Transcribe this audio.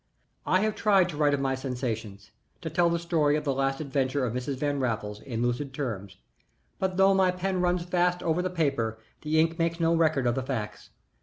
I have tried to write of my sensations, to tell the story of the Last Adventure of Mrs. Van Raffles, in lucid terms, but though my pen runs fast over the paper the ink makes no record of the facts.